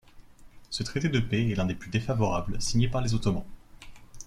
Ce traité de paix est l’un des plus défavorables signés par les Ottomans.